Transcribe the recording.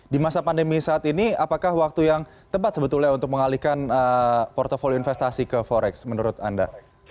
di masa pandemi saat ini apakah waktu yang tepat sebetulnya untuk mengalihkan portfolio investasi ke forex menurut anda